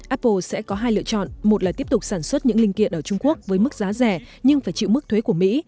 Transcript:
apple sẽ có hai lựa chọn một là tiếp tục sản xuất những linh kiện ở trung quốc với mức giá rẻ nhưng phải chịu mức thuế của mỹ